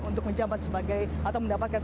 untuk menjabat sebagai atau mendapatkan